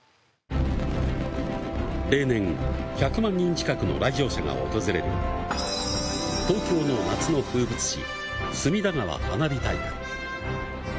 例年１００万人近くの来場者が訪れる、東京の夏の風物詩、隅田川花火大会。